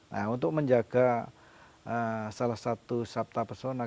nah untuk menjaga salah satu sabta pesona